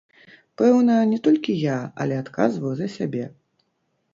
Пэўна, не толькі я, але адказваю за сябе.